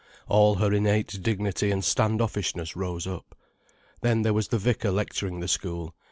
All her innate dignity and standoffishness rose up. Then there was the vicar lecturing the school.